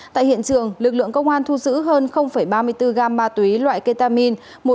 tại hiện trường lực lượng công an thu giữ hơn ba mươi bốn gam ma túy loại ketamin